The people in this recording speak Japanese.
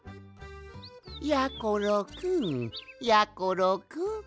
やころくんやころくん。